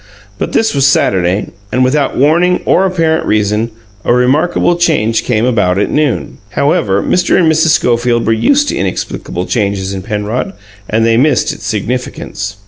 But this was Saturday, and, without warning or apparent reason, a remarkable change came about at noon. However, Mr. and Mrs. Schofield were used to inexplicable changes in Penrod, and they missed its significance.